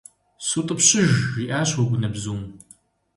СутӀыпщыж, - жиӀащ Уэгунэбзум.